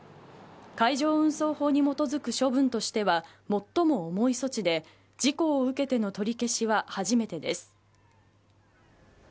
海上運送法に基づく処分としては最も重い措置で事故を受けての取り消しは初めてです。